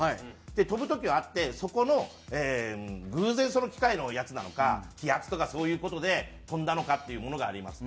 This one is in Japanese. で飛ぶ時はあってそこの偶然その機械のやつなのか気圧とかそういう事で飛んだのかっていうものがあります。